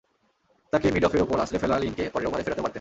তাঁকে মিড অফের ওপর আছড়ে ফেলা লিনকে পরের ওভারে ফেরাতেও পারতেন।